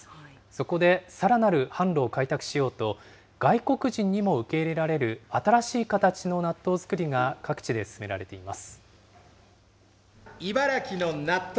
そこでさらなる販路を開拓しようと、外国人にも受け入れられる新しい形の納豆作りが各地で進められています。